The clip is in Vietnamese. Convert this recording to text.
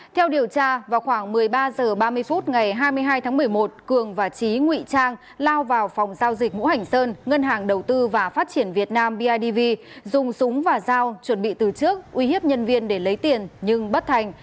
theo điều tra vào khoảng một mươi ba h ba mươi phút ngày hai mươi hai tháng một mươi một cường và trí nguy trang lao vào phòng giao dịch ngũ hành sơn ngân hàng đầu tư và phát triển việt nam bidv dùng súng và dao chuẩn bị từ trước uy hiếp nhân viên để lấy tiền nhưng bất thành